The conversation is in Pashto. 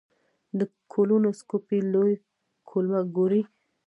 د کولونوسکوپي لوی کولمه ګوري.